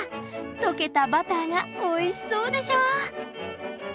溶けたバターがおいしそうでしょう！